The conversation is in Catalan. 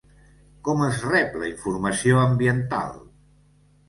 Com es rep la informació ambiental?